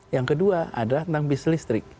yang kedua adalah tentang bis listrik